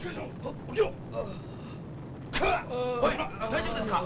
大丈夫ですか？